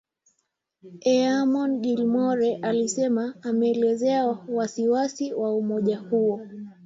Eamon Gilmore alisema ameelezea wasi-wasi wa umoja huo.